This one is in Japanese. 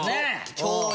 共演。